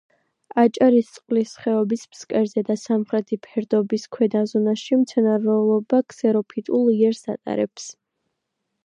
აჭარისწყლის ხეობის ფსკერზე და სამხრეთი ფერდობის ქვედა ზონაში მცენარეულობა ქსეროფიტულ იერს ატარებს.